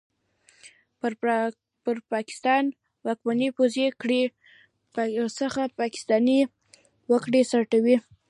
پر پاکستان واکمنې پوځي کړۍ څخه پاکستاني وګړي سر ټکوي!